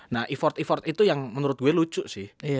nah effort effort itu yang menurut gue lucu sih